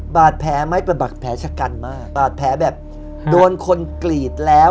บาดแผลไหมเป็นบาดแผลชะกันมากบาดแผลแบบโดนคนกรีดแล้ว